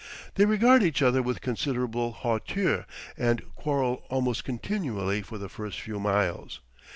They regard each other with considerable hauteur, and quarrel almost continually for the first few miles.